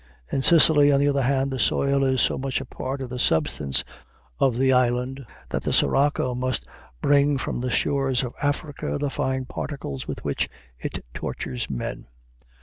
In Sicily, on the other hand, the soil is so much a part of the substance of the island that the sirocco must bring from the shores of Africa the fine particles with which it tortures men.